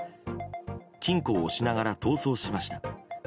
金庫を押しながら逃走しました。